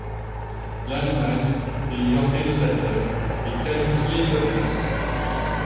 L'Allemagne, pays organisateur, est qualifiée d'office.